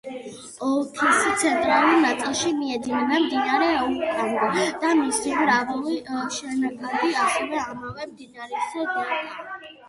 ოლქის ცენტრალურ ნაწილში მიედინება მდინარე ოკავანგო და მისი მრავალი შენაკადი, ასევე ამავე მდინარის დელტა.